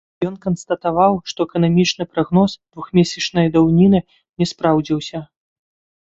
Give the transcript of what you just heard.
Ён канстатаваў, што эканамічны прагноз двухмесячнай даўніны не спраўдзіўся.